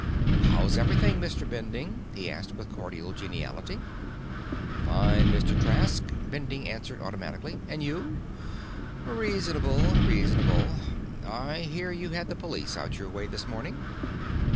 "How's everything, Mr. Bending?" he asked with cordial geniality. "Fine, Mr. Trask," Bending answered automatically. "And you?" "Reasonable, reasonable. I hear you had the police out your way this morning."